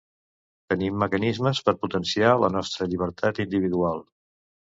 tenim mecanismes per potenciar la nostra llibertat individual